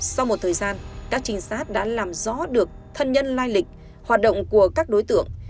sau một thời gian các trinh sát đã làm rõ được thân nhân lai lịch hoạt động của các đối tượng